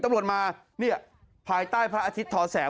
ตำรวจมาเนี่ยภายใต้พระอาทิตย์ทอแสง